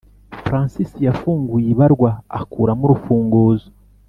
francis yafunguye ibarwa akuramo urufunguzo